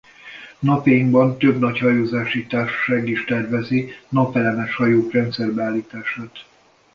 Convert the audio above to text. Napjainkban több nagy hajózási társaság is tervezi napelemes hajók rendszerbe állítását.